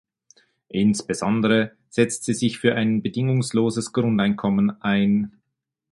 Insbesondere setzt sie sich für ein bedingungsloses Grundeinkommen ein.